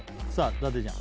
伊達ちゃん